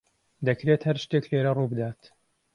دەکرێت هەر شتێک لێرە ڕووبدات.